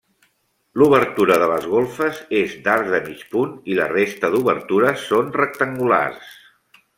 L’obertura de les golfes és d’arc de mig punt i la resta d’obertures són rectangulars.